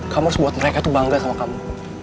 kamu harus buat mereka tuh bangga sama kamu